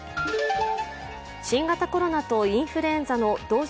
新型コロナとインフルエンザの同時